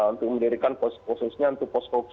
untuk mendirikan khususnya untuk posko